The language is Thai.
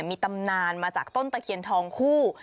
มีตำนานมาจากต้นตะเคียนทองคู่